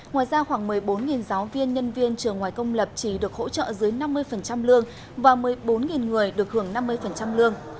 ngoài ra khoảng một mươi bốn giáo viên nhân viên trường ngoài công lập chỉ được hỗ trợ dưới năm mươi lương và một mươi bốn người được hưởng năm mươi lương